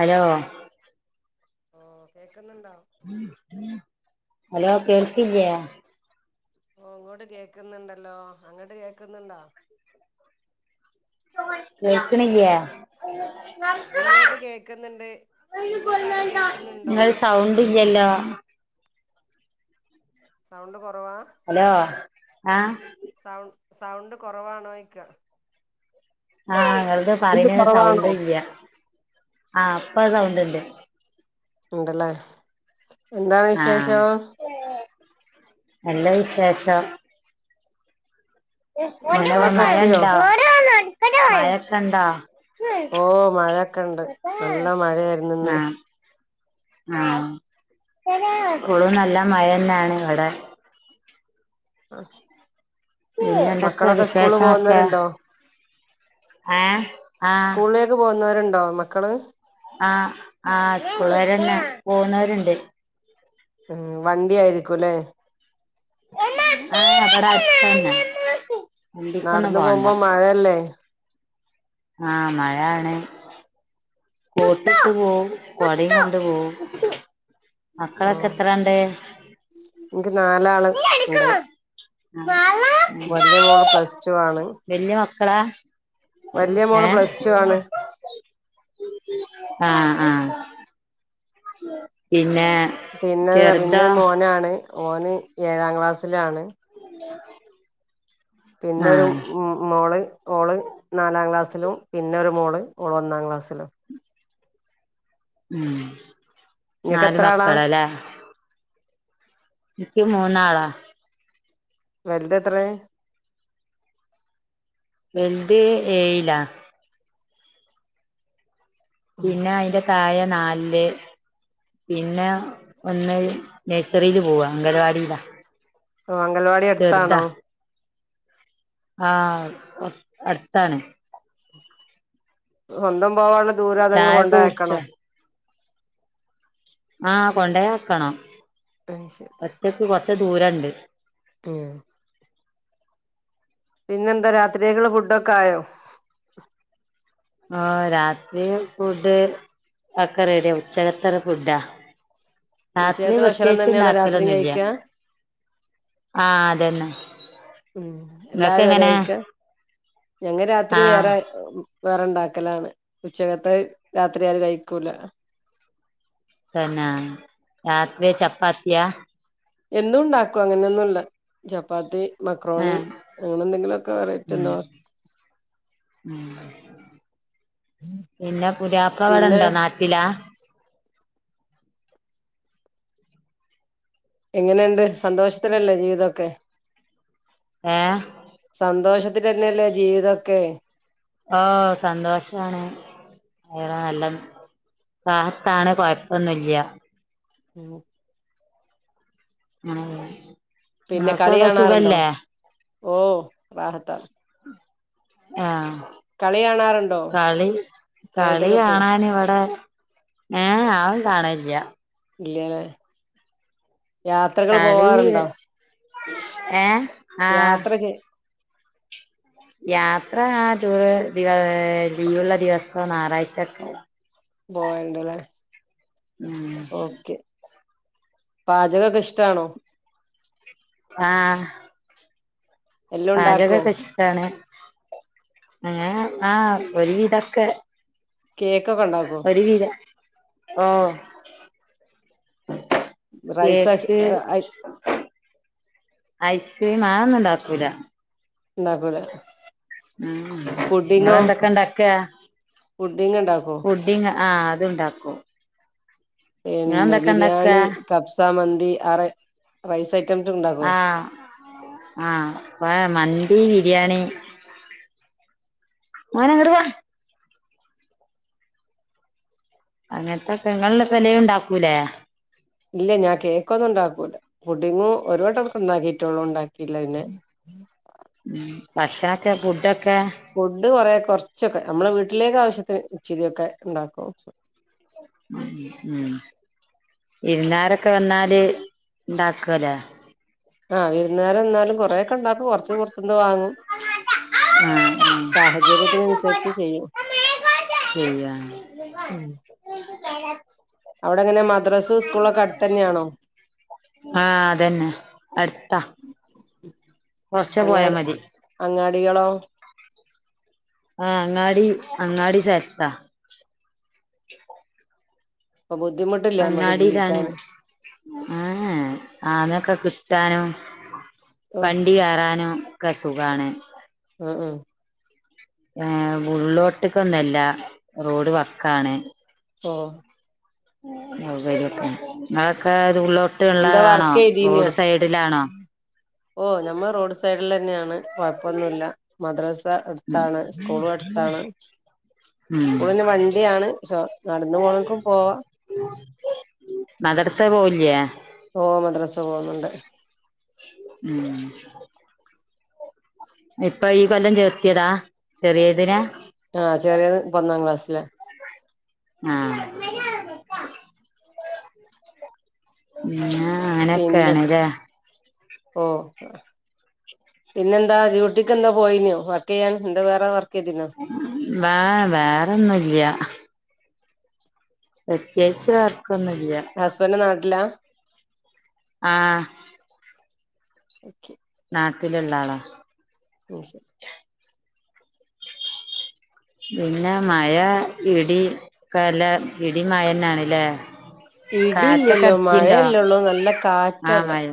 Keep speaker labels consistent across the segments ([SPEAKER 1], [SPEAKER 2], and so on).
[SPEAKER 1] Hello
[SPEAKER 2] ഓ കേക്ക്ന്നുണ്ടോ
[SPEAKER 1] hello കേൾക്കില്ല്യേ
[SPEAKER 2] ഓഹ് ഇങ്ങോണ്ട് കേക്കുന്നുണ്ടല്ലോ അങ്ങോട്ട് കേക്കുന്നുണ്ടോ
[SPEAKER 1] കേക്ക്ണില്ല്യേ ങ്ങം
[SPEAKER 2] ഇങ്ങോട്ട് കേക്ക്ന്ന്ണ്ട് നിങ്ങൾക്കാണ്ട് കേക്കുന്ന്ണ്ടോ
[SPEAKER 1] നിങ്ങൾ സൗണ്ട് ഇല്ല്യല്ലോ
[SPEAKER 2] സൗണ്ട് കൊറവാ
[SPEAKER 1] ഹലോ ആഹ്
[SPEAKER 2] സൗ സൗണ്ട് കൊറവാണോയ്ക്ക
[SPEAKER 1] ആഹ് ഇങ്ങളത് പറയ്ണെയ്
[SPEAKER 2] കുറവാണോ
[SPEAKER 1] സൗണ്ട് ഇല്ല്യ ആഹ് ഇപ്പ സൗണ്ട്ണ്ട്
[SPEAKER 2] ണ്ട്ലേ എന്താ
[SPEAKER 1] ആഹ്
[SPEAKER 2] വിശേഷം
[SPEAKER 1] നല്ല വിശേഷം എന്താവ്ടെ
[SPEAKER 2] മക്കളൊക്കെ
[SPEAKER 1] മഴ
[SPEAKER 2] എത്തിയോ
[SPEAKER 1] ഇണ്ടാ മഴൊക്കെണ്ടാ
[SPEAKER 2] ഓ മഴൊക്കെണ്ട് നല്ല മഴയായിരുന്നു ഇന്ന്
[SPEAKER 1] ആഹ് പ്പളും നല്ല മയന്നാണ് ഇവടെ
[SPEAKER 2] ആഹ്
[SPEAKER 1] പിന്നെന്തൊക്കെ വിശേഷോക്കെ
[SPEAKER 2] പോകുന്നവരുണ്ടോ
[SPEAKER 1] ഏഹ് ആഹ്
[SPEAKER 2] സ്കൂളിലേക്ക് പോകുന്നവരുണ്ടോ മക്കള്
[SPEAKER 1] ആഹ് ആഹ് സ്ക്കൂളേരെന്നെ പോകുന്നവര്ണ്ട്
[SPEAKER 2] ഉം വണ്ടി ആയിരിക്കുലേ
[SPEAKER 1] ഏഹേ ഇബടെ അട്ത്തന്നെ വണ്ടിക്കൊന്നും പോണ്ട
[SPEAKER 2] മഴല്ലേ
[SPEAKER 1] ആഹ് മഴാണ് കോട്ടിട്ട് പോവും കൊടിം കൊണ്ട് പോവും മക്കളൊക്കെ എത്രണ്ട്
[SPEAKER 2] ഇൻക്ക് നാലാള് ണ്ട് വലിയ മോൾ പ്ലസ് റ്റുവാണ്
[SPEAKER 1] വല്യെ മക്കളാ
[SPEAKER 2] മോള്
[SPEAKER 1] ഏഹ്
[SPEAKER 2] പ്ലസ് ടു ആണ്
[SPEAKER 1] അഹ് ആഹ് പിന്നെ
[SPEAKER 2] പിന്നെ
[SPEAKER 1] ചെറുതോ
[SPEAKER 2] വരുന്നെ മോനാണ് ഓൻ ഏഴാം ക്ലാസ്സിലാണ്
[SPEAKER 1] [inaudible]
[SPEAKER 2] പിന്നെരു
[SPEAKER 1] ആഹ്
[SPEAKER 2] മ് മ് മോള് ഓള് നാലാം ക്ലാസ്സിലും പിന്നെരു മോള് ഓൾ ഒന്നാം ക്ലാസ്സിലും
[SPEAKER 1] ഉം
[SPEAKER 2] നിങ്ങക്ക്
[SPEAKER 1] നാല്
[SPEAKER 2] എത്ര ആളാ
[SPEAKER 1] മക്കള്ല്ലേ ഇനിക്ക് മൂന്നാളാ
[SPEAKER 2] വൽതെത്രേ
[SPEAKER 1] വെൽത് ഏഴില പിന്നെ അയിന്റെ താഴെ നാലില് പിന്നെ ഒന്ന് നഴ്സറിയിൽ പോവാ അംഗൽവാടിയിലാ
[SPEAKER 2] ഓ അംഗൽവാടി എട്ത്താണോ
[SPEAKER 1] അഹ് അ അടുത്താണ്
[SPEAKER 2] സ്വന്തം പോവാള്ള ദൂര അതോ ങ്ങൾ
[SPEAKER 1] ചായൊക്കെ
[SPEAKER 2] കൊണ്ടയക്കണോ
[SPEAKER 1] കുടിച്ചോ അഹ് കൊണ്ടോയക്കണം
[SPEAKER 2] ആയ് ശെരി
[SPEAKER 1] ഒറ്റക്ക് കൊറച്ച് ദൂരണ്ട്
[SPEAKER 2] ഉം പിന്നെന്താ രാത്രിേക്കെക്ക്ള്ള ഫുഡൊക്കെ ആയോ
[SPEAKER 1] അഹ് രാത്രിയിലെ ഫുഡ് ഒക്കെ ററെഡിയാ ഉച്ചകത്തൊരു ഫുഡാ രാത്രി
[SPEAKER 2] ഉച്ചക്കത്തെ ഭക്ഷണം
[SPEAKER 1] പ്രത്യേകിച്ച്
[SPEAKER 2] തന്നെയാണോ രാത്രിയും
[SPEAKER 1] ണ്ടാക്കലൊന്നില്ല
[SPEAKER 2] കഴിക്കാ
[SPEAKER 1] അഹ് അതന്നെ
[SPEAKER 2] ഉം
[SPEAKER 1] ങ്ങക്ക്
[SPEAKER 2] എല്ലാരും അത്
[SPEAKER 1] എങ്ങനെ
[SPEAKER 2] കഴിക്കാ ഞങ്ങ രാത്രി
[SPEAKER 1] ആഹ്
[SPEAKER 2] വേറെ വേറെണ്ടാക്കലാണ് ഉച്ചകത്തെ രാത്രി ആരു കഴിക്കൂല
[SPEAKER 1] തന്നെ രാത്രിയ് ചപ്പാത്തിയാ
[SPEAKER 2] എന്തും ണ്ടാക്കും അങ്ങനെയൊന്നുല്ല ചപ്പാത്തി മക്രോണി
[SPEAKER 1] ആഹ്
[SPEAKER 2] അങ്ങനെന്തെങ്കിലൊക്കെ വെറൈറ്റി
[SPEAKER 1] ഉം
[SPEAKER 2] എന്തോ
[SPEAKER 1] ഉം പിന്നെ
[SPEAKER 2] പിന്നെ
[SPEAKER 1] പുതിയാപ്ലവ്ടെണ്ടോ നാട്ടിലാ
[SPEAKER 2] എങ്ങനൊണ്ട് സന്തോഷത്തിലല്ലേ ജീവിതൊക്കെ
[SPEAKER 1] ഏഹ്
[SPEAKER 2] സന്തോഷത്തിലന്നെല്ലേ ജീവിതൊക്കെ
[SPEAKER 1] ഓഹ് സന്തോഷാണ് ഖൈർ നല്ല റാഹത്താണ് കൊഴപ്പൊന്നുല്ലൃ
[SPEAKER 2] ഉ
[SPEAKER 1] ഉം
[SPEAKER 2] പിന്നെ കളി
[SPEAKER 1] നിങ്ങൾക്കൊക്കെ
[SPEAKER 2] കാണാറുണ്ടോ
[SPEAKER 1] സുഖല്ലേ
[SPEAKER 2] ഓ റാഹത്താണ്
[SPEAKER 1] അ
[SPEAKER 2] കളി കാണാറുണ്ടോ
[SPEAKER 1] കളി
[SPEAKER 2] വേൾഡ് കപ്പ്
[SPEAKER 1] കളികാണാൻ ഇവിടെ ഏ ഞാൻ കാണലില്ല
[SPEAKER 2] ഇല്ലാലേ യാത്രകൾ
[SPEAKER 1] കളി
[SPEAKER 2] പോവാറുണ്ടോ
[SPEAKER 1] ഏ ആഹ്
[SPEAKER 2] യാത്ര ചെ
[SPEAKER 1] യാത്ര ആ ദൂരെ ദിവ ലീവൊള്ള ദിവസം നാറാഴ്ചയൊക്കെ
[SPEAKER 2] ബോയണ്ടലേ
[SPEAKER 1] ഉം
[SPEAKER 2] ഓക്കെ പാചകകൊക്കെ ഇഷ്ടാണോ
[SPEAKER 1] ആ
[SPEAKER 2] എല്ലാം ഉണ്ടാക്കോ
[SPEAKER 1] പാചകകൊക്കെ ഇഷ്ടാണ് അങ്ങനെ ആ ഒരു വിധൊക്കെ
[SPEAKER 2] കേക്കൊക്കെ ഉണ്ടാക്കോ
[SPEAKER 1] ഒരുവിധം ഓ
[SPEAKER 2] റൈസാസ് ഓ ഐ
[SPEAKER 1] ഐസ്ക്രീം ആ ഒന്നും ഒണ്ടാക്കൂല.
[SPEAKER 2] ഇണ്ടാകൂല.
[SPEAKER 1] ഉം ഇങ്ങളെന്തൊക്കെണ്ടാക്ക
[SPEAKER 2] ഫുഡിങ്ങ് ഇണ്ടാക്കും.
[SPEAKER 1] ഫുഡിങ്ങ് ആ അതുണ്ടാക്കും.
[SPEAKER 2] പിന്നെ
[SPEAKER 1] നിങ്ങളെന്തൊക്കെ ഇണ്ടാക്ക
[SPEAKER 2] ബിരിയാണി കപ്സാ മന്തി ആറെ റൈസ് ഐറ്റംസ് ഉണ്ടാക്കും
[SPEAKER 1] ആ അപ്പ മന്തി ബിരിയാണി. മോന് എങ്ങോട്ടുപോവാ അങ്ങനത്തെ പെങ്ങള് പെല ഉണ്ടാക്കൂലേ
[SPEAKER 2] ഇല്ല ഞാൻ കേക്കൊന്നും ഉണ്ടാക്കൂല പുടിങ്ങും ഒരു വട്ടൊണ്ടാക്കിട്ടൊള്ളൂ ഉണ്ടാക്കില്ല പിന്നെ.
[SPEAKER 1] ഉം ഭക്ഷണൊക്കെ ഫുഡൊക്കെ
[SPEAKER 2] ഫുഡ് കൊറെ കൊറച്ചൊക്കെ നമ്മെളെ വീട്ടിലേക്ക് ആവശ്യത്തിന് ഇച്ചിരിയൊക്കെ ഉണ്ടാക്കും.
[SPEAKER 1] ഉം ഉം വിരുന്നാരൊക്കെ വന്നാല് ഇണ്ടാക്കലേ
[SPEAKER 2] ആ വിരുന്നാര് വന്നാലും കുറെയൊക്ക് യൊണ്ടാക്കും കൊറച്ച് പൊറത്തുന്ന് വാങ്ങും
[SPEAKER 1] ആഹ് ആഹ്
[SPEAKER 2] സാഹചര്യത്തിനനുസരിച്ച് ചെയ്യും.
[SPEAKER 1] ചെയ്യാം
[SPEAKER 2] അവിടെങ്ങനാ മദ്രസ് സ്കൂളൊക്കെ അടുത്ത് തന്നെയാണോ
[SPEAKER 1] ആ അതന്നെ അടുത്താ. കൊറച്ചേ പോയാ
[SPEAKER 2] അങ്ങാടി
[SPEAKER 1] മതി
[SPEAKER 2] അങ്ങാടികളോ
[SPEAKER 1] ആ അങ്ങാടി അങ്ങാടി ചേത്താ.
[SPEAKER 2] അപ്പ ബുദ്ധിമുട്ടില്ല ഞമ്മക്ക് ജീവിക്കാന്.
[SPEAKER 1] ആ ഏ സാധനൊക്കെ കിട്ടാനും പണി. ക്കു കേറാനും ഒക്കെ സുഖാണ്.
[SPEAKER 2] ഉ ഉം
[SPEAKER 1] ആ ഉള്ളോട്ടുക്കൊന്നല്ല റോഡ് വക്കാണ്.
[SPEAKER 2] ഓ
[SPEAKER 1] മൊബൈലു വെക്കാൻ ഇങ്ങളൊക്കെ
[SPEAKER 2] എന്താ
[SPEAKER 1] ഉള്ളോട്ടുള്ളതാണോ
[SPEAKER 2] വർക്ക് ചെയ്തീനോ
[SPEAKER 1] റോഡ് സൈഡിലാണോ
[SPEAKER 2] ഓ നമ്മള് റോഡ് സൈഡിലന്നെയാണ് കൊഴപ്പൊന്നുല്ലാ. മദ്രസാ അടുത്താണ് സ്കൂളും അടുത്താണ്.
[SPEAKER 1] ഉം
[SPEAKER 2] സ്കൂളിന് വണ്ടിയാണ് ശോ നടന്നു പോണോൽക്കും പോവാം.
[SPEAKER 1] മദ്രസേൽ പോവലില്ലേ
[SPEAKER 2] ഓ മദ്രസേ പോകുന്നുണ്ട്.
[SPEAKER 1] ഉം ഇപ്പൊ ഈ കൊല്ലം ചേർത്തിയതാ ചെറിയതിനെ.
[SPEAKER 2] ആഹ് ചെറിയത് ഇപ്പൊന്നാം ക്ലാസ്സിലാ
[SPEAKER 1] ആഹ് പിന്നെ
[SPEAKER 2] പിന്നെ
[SPEAKER 1] അങ്ങനെയൊക്കെയാണ്ല്ലേ
[SPEAKER 2] ഓഹ് പിന്നെന്താ ഡ്യൂട്ടിക്കെന്തോ പോയിനോ വർക്കെയ്യാൻ എന്താ വേറെ വർക്കെയ്തിനോ?
[SPEAKER 1] വാ വേറൊന്നുല്ലാ പ്രത്യേയിച്ച് വർക്കൊന്നുല്ലാ
[SPEAKER 2] ഹസ്ബൻഡ് നാട്ടിലാ
[SPEAKER 1] ആഹ്
[SPEAKER 2] ഓക്കെ
[SPEAKER 1] നാട്ടില്ള്ള ആളാ
[SPEAKER 2] ഉം ശെ
[SPEAKER 1] പിന്നെ മഴ ഇടി കലാ ഇടി മഴന്നാണ്ല്ലേ? കാറ്റൊക്കെ
[SPEAKER 2] ഇടിയില്ലല്ലോ
[SPEAKER 1] അടിച്ചീണ്ടോ
[SPEAKER 2] മഴയല്ലേള്ളൂ നല്ല
[SPEAKER 1] ആഹ്
[SPEAKER 2] കാറ്റാള്ളെ
[SPEAKER 1] മഴ്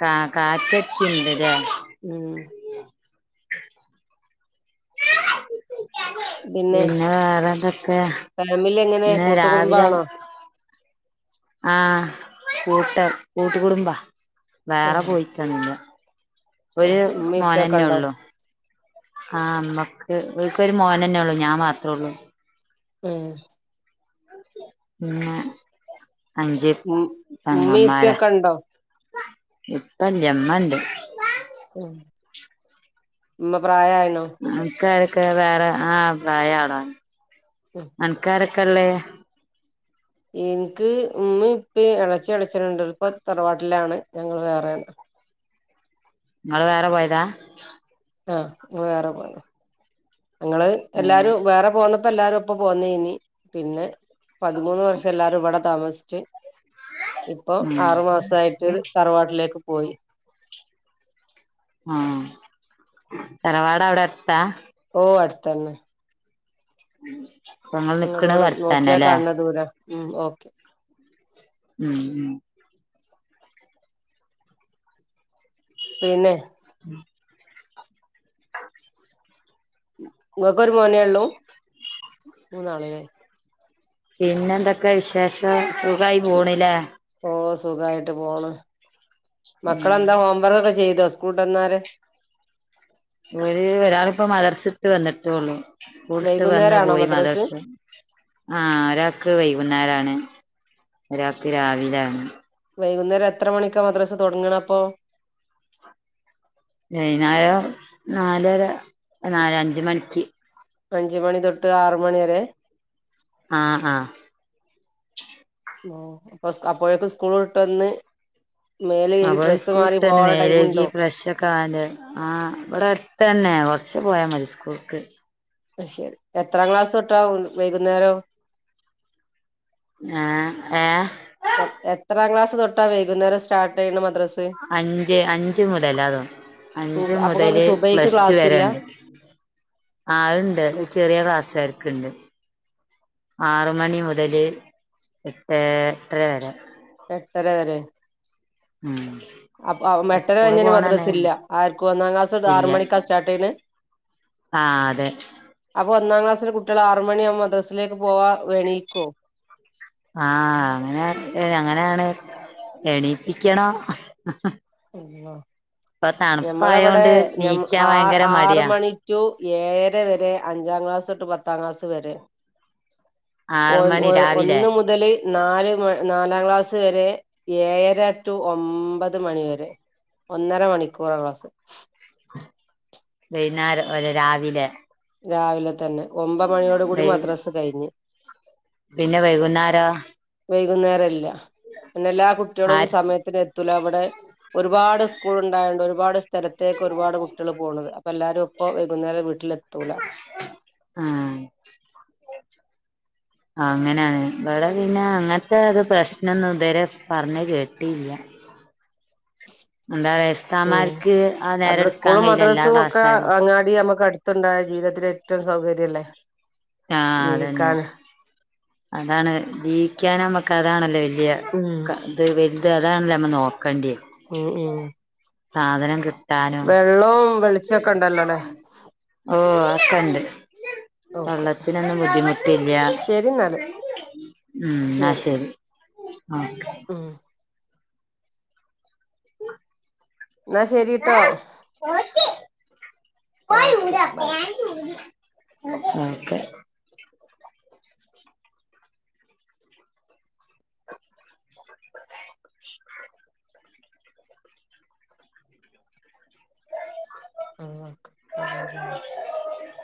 [SPEAKER 1] കാ കാറ്റൊക്ക്യെണ്ട്ല്ലെ
[SPEAKER 2] ഉം
[SPEAKER 1] പിന്നെ വേറെന്തൊക്കെ
[SPEAKER 2] ഫാമിലി എങ്ങനെ
[SPEAKER 1] പിന്നെ രാവിലെ
[SPEAKER 2] കൂട്ടുകുടുംബാണോ
[SPEAKER 1] ആഹ് കൂട്ട് കൂട്ടുകുടുംബാ
[SPEAKER 2] ആ
[SPEAKER 1] വേറെ പോയിട്ടൊന്നുല്ല
[SPEAKER 2] ഓ
[SPEAKER 1] ഒര്
[SPEAKER 2] ഉമ്മീം ഉപ്പയൊക്കെ
[SPEAKER 1] മോനന്നെ
[SPEAKER 2] ഉണ്ടോ
[SPEAKER 1] ഉള്ളു ആഹ് ഇമ്മക്ക് ഓല്ക്കൊര് മോനന്നെ ഇള്ളൂ ഞാൻ മാത്രോള്ളൂ
[SPEAKER 2] ഉം
[SPEAKER 1] പിന്നെ അഞ്ച്
[SPEAKER 2] ഉം ഉമ്മീം
[SPEAKER 1] പെങ്ങമാരാ
[SPEAKER 2] ഇപ്പിയൊക്കെ ഉണ്ടോ
[SPEAKER 1] ഇപ്പല്ലാ ഇമ്മണ്ട്
[SPEAKER 2] ആഹ് ഇമ്മ പ്രായായിണോ
[SPEAKER 1] അന്ക്കാരൊക്കെ വേറെ ആഹ് പ്രായാളാ അന്ക്ക് ആരൊക്കള്ളെ
[SPEAKER 2] ഇന്ക്ക് ഉമ്മിം ഉപ്പിം എളെച്ചിം എളെച്ചനുണ്ട് ഓല് ഇപ്പം തറവാട്ട്ലാണ് ഞങ്ങള് വേറേണ്
[SPEAKER 1] ഇങ്ങള് വേറെ പോയതാ
[SPEAKER 2] ആഹ് ഞങ്ങള് വേറെ പോയതാ ഞങ്ങള്
[SPEAKER 1] ഉം
[SPEAKER 2] എല്ലാരും വേറെ പോന്ന പ്പം എല്ലാരും ഒപ്പം പോന്നേനി പിന്നെ പതിമൂന്ന് വർഷം എല്ലാരും ഇവടെ താമസ്ച്ച് ഇപ്പൊ
[SPEAKER 1] ഉം
[SPEAKER 2] ആറു മാസായിട്ടോല് തറവാട്ട്ലേക്ക് പോയി
[SPEAKER 1] ആഹ് തറവാട് അവടെ അട്ത്താ
[SPEAKER 2] ഓഹ് അട്ത്തന്നെ
[SPEAKER 1] ഇപ്പങ്ങൾ
[SPEAKER 2] ഞങ്ങടെ
[SPEAKER 1] നിക്ക്ണവു
[SPEAKER 2] ഇവിടെ നോക്കിയാ
[SPEAKER 1] അട്ത്തന്നെല്ലേ
[SPEAKER 2] കാണണ ദൂരാ ഉം ഓക്കെ
[SPEAKER 1] ഉം ഉം
[SPEAKER 2] പിന്നെ
[SPEAKER 1] ഉം
[SPEAKER 2] ഇങ്ങക്കൊര് മോനേ ഇള്ളൂ മൂന്നാള്ല്ലേ
[SPEAKER 1] പിന്നെന്തൊക്കെ വിശേഷം സുഖായി പോണ്ല്ലേ
[SPEAKER 2] ഓഹ് സുഖായിട്ട് പോണ് മക്കളെന്താ ഹോംവർക്കൊക്കെ ചെയ്തോ സ്കൂൾട്ടെന്നാരെ
[SPEAKER 1] ഒര് ഒരാള്പ്പം മദ്രസ്സ്ട്ട് വന്ന്ട്ടോള്ളു സ്കൂൾട്ട് വന്ന്
[SPEAKER 2] വൈകുന്നേരാണോ
[SPEAKER 1] പോയി
[SPEAKER 2] മദ്രസ്
[SPEAKER 1] മദർസ് ആഹ് ഒരാക്ക് വൈകുന്നേരാണ് ഒരാക്ക് രാവിലാണ്
[SPEAKER 2] വൈകുന്നേരം എത്ര മണിക്കാ മദ്രസ തെടങ്ങ്ണെ അപ്പം
[SPEAKER 1] വൈന്നാരം നാലര നാല അഞ്ചുമണിക്ക്യി
[SPEAKER 2] അഞ്ചുമണി തൊട്ട് ആറുമണി വരെ
[SPEAKER 1] ആഹ് ആഹ്
[SPEAKER 2] [unintelligible] അപ്പൊ സ് അപ്പോഴേക്കും സ്കൂള് വിട്ടെന്ന് മേല് കഴ്കി ഡ്രസ്സ് മാറി പോവാള്ളെ ടൈമ്ണ്ടോ
[SPEAKER 1] ക്കാല് ആഹ് ഇവടെ അട്ത്തന്നെ കൊറച്ച് പോയാ മതി സ്കൂൾക്ക്
[SPEAKER 2] അയ്ശെരി എത്രാം ക്ലാസ്തൊട്ടാ വൈകുന്നേരം?
[SPEAKER 1] ആഹ് ഏഹേ?
[SPEAKER 2] എ എത്രാം ക്ലാസ്തൊട്ടാ വൈകുന്നേരം സ്റ്റാർട്ടെയ്യ്ണ മദ്രസ്?
[SPEAKER 1] അഞ്ച് അഞ്ച് മുതല തൊടങ്ങു അഞ്ച്
[SPEAKER 2] സുബ് അപ്പൊ ഇങ്ങക്ക്
[SPEAKER 1] മുതല്
[SPEAKER 2] സുബൈക്ക്
[SPEAKER 1] പ്ലസ്ടു
[SPEAKER 2] ക്ലാസ് ഇല്ല
[SPEAKER 1] വെരേണ്ട് ആഹാ അഹ്ണ്ട് ചെറിയ ക്ലാസാർക്ക്ണ്ട് ആറ് മണി മുതല് എട്ടേ എട്ടരവരെ
[SPEAKER 2] എട്ടര വരെ?
[SPEAKER 1] ഉം
[SPEAKER 2] അപ്പം എട്ടര കഴിഞാ
[SPEAKER 1] സ്കൂള്
[SPEAKER 2] പിന്നെ
[SPEAKER 1] പോണന്നേ
[SPEAKER 2] മദ്രസില്ല ആര്ക്കും ഒന്നാം ക്ലാസൊട്ട്
[SPEAKER 1] ഇല്ല
[SPEAKER 2] ആറ് മണിക്കാ സ്റ്റാർ്ട്ടെയ്ണെ? [unintelligible]
[SPEAKER 1] ആഹ് അതെ
[SPEAKER 2] അപ്പൊ ഒന്നാം ക്ലാസ്സിലെ കുട്ടിയള് ആറു മണിയാവുമ്പോ മദ്രസിലേക്ക് പോവാ എണീക്കോ?
[SPEAKER 1] ആഹ അങ്ങനെ അങ്ങനേണ് എണീപ്പിക്കണം
[SPEAKER 2] അള്ളാ
[SPEAKER 1] ഇപ്പൊ
[SPEAKER 2] ഞമ്മളെവടെ
[SPEAKER 1] തണുപ്പായോണ്ട്
[SPEAKER 2] ഞമ
[SPEAKER 1] നീക്കാൻ
[SPEAKER 2] ആ
[SPEAKER 1] ഭയങ്കര
[SPEAKER 2] ആറു
[SPEAKER 1] മടിയാ
[SPEAKER 2] മണി റ്റു ഏഴെര വെരെ അഞ്ചാം ക്ലാസൊട്ട് പത്താം ക്ലാസ് വെരെ. ഒ
[SPEAKER 1] ആറ്
[SPEAKER 2] ഒ
[SPEAKER 1] മണി രാവിലെ
[SPEAKER 2] ഒന്ന് മുതല് നാല് നാലാം ക്ലാസ് വെരെ ഏഴര റ്റു ഒമ്പത് മണിവരെ. ഒന്നര മണിക്കൂറാ ക്ലാസ്
[SPEAKER 1] വെയ്ന്നാരം ഓലെ രാവിലെ?
[SPEAKER 2] രാവിലെ തന്നെ ഒമ്പമണിയോട് കൂടി
[SPEAKER 1] വൈ
[SPEAKER 2] മദ്രസ് കഴിഞ്ഞ്
[SPEAKER 1] പിന്നെ വൈകുന്നാരോ?
[SPEAKER 2] വൈകുന്നേരെല്ല പിന്നെ എല്ലാ കുട്ടിയളും
[SPEAKER 1] ആര്
[SPEAKER 2] സമയത്തിന് എ ത്തൂല ഇവടെ ഒരുപാട് സ്കൂള്ണ്ടായോണ്ട് ഒരുപാട് സ്ഥലത്തേക്കൊരുപാട് കുട്ടിയള് പോണത് അപ്പൊ എല്ലാരും ഒപ്പം വൈകുന്നേരം വീട്ടിലെത്തൂല.
[SPEAKER 1] ആഹാ ആഹ് അങ്ങനേണ് ഇബടെ പിന്നെ അങ്ങൻത്തെ ഒരു പ്രശ്നൊന്നും ഇതെരെ പറഞേ കേട്ടില്ല. എന്താര
[SPEAKER 2] ഉം. അവിടെ സ്കൂളും
[SPEAKER 1] എല്ലാ
[SPEAKER 2] മദ്രസും ഒക്കെ
[SPEAKER 1] ക്ലാസ്സാരും
[SPEAKER 2] അങ്ങാടി ഞമ്മക്ക് അട ത്ത്ണ്ടായാ ജീവിതത്തില് ഏറ്റവും സൗകര്യയെല്ലേ?
[SPEAKER 1] ആഹ് അതന്നെ. അതാണ് ജീവിക്കാനമ്മക്ക് അതാണല്ലോ വല്ല്യ
[SPEAKER 2] ഉം
[SPEAKER 1] ക ഇത് വെൽത് അതാണല്ലോ നമ്മള് നോക്കേണ്ടിയെ?
[SPEAKER 2] ഉം. ഉം
[SPEAKER 1] കിട്ടാനോ
[SPEAKER 2] വെള്ളവും വെളിച്ചൊക്കെണ്ടല്ലോ ലേ?
[SPEAKER 1] ഓഹ് അഹെക്കെണ്ട്.
[SPEAKER 2] ഓക്കെ
[SPEAKER 1] വെള്ളത്തിനൊന്നും ബുദ്ധിമുട്ടില്ല്യ
[SPEAKER 2] ശരി എന്നാല്
[SPEAKER 1] ഉം ഇന്നാ
[SPEAKER 2] ശരി
[SPEAKER 1] ശെരി. ആഹാ
[SPEAKER 2] ഉം.
[SPEAKER 1] [inaudible]
[SPEAKER 2] ഇന്നാ ശെരീട്ടോ ഓക്കെ ബൈ
[SPEAKER 1] ഓക്കെ [inaudible]